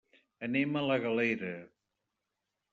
Anem a la Galera.